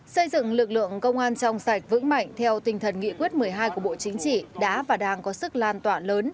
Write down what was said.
xây dựng lực lượng công an trong sạch vững mạnh theo tinh thần nghị quyết một mươi hai của bộ chính trị đã và đang có sức lan tỏa lớn